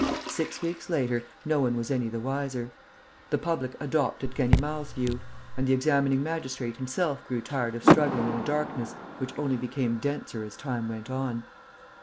Six weeks later, no one was any the wiser. The public adopted Ganimard's view; and the examining magistrate himself grew tired of struggling in a darkness which only became denser as time went on.